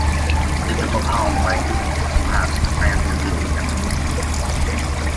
It is a Papuan language, perhaps in the Trans-New Guinea family.